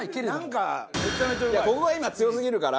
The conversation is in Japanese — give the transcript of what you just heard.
ここが今強すぎるから。